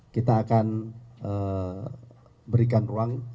kita akan berikan ruang